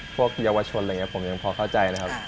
พวกเยาวชนอะไรอย่างนี้ผมยังพอเข้าใจนะครับ